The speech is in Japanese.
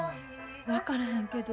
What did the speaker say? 分からへんけど。